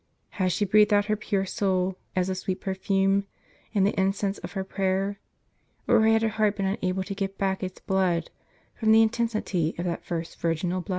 Had she breathed out her pure soul, as a sweet perfume, in the incense of her prayer ? or had her heart been unable to get back its blood, from the intensity of that first virginal blush